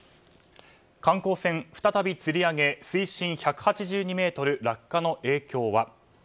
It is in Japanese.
観光船、再びつり上げ水深１８２ｍ落下の影響は。